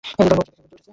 বসো দেখো গুঞ্জু উঠেছে?